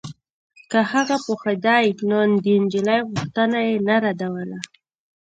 که هغه پوهېدای نو د نجلۍ غوښتنه يې نه ردوله.